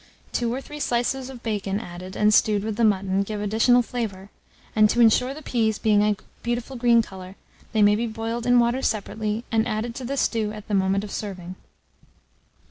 2 or 3 slices of bacon added and stewed with the mutton give additional flavour; and, to insure the peas being a beautiful green colour, they may be boiled in water separately, and added to the stew at the moment of serving.